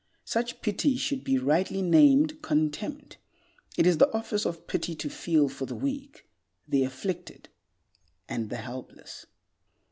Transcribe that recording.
Such pity should be rightly named contempt. It is the office of pity to feel for the weak, the afflicted, and the helpless.